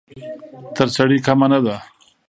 تر سړي کمه نه ده.